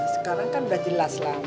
sekarang kan sudah jelas lah